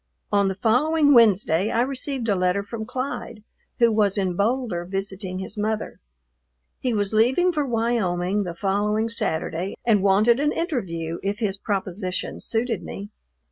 On the following Wednesday I received a letter from Clyde, who was in Boulder visiting his mother. He was leaving for Wyoming the following Saturday and wanted an interview, if his proposition suited me.